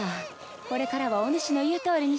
これからはおぬしの言うとおりにする。